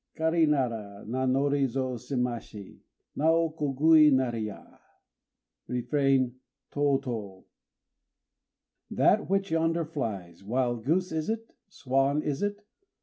_ Kari nara Nanori zo sémashi; Nao kugui nari ya! (Ref.) Tôtô! That which yonder flies, Wild goose is it? swan is it?